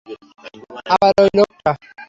আবার ওই লোকটা?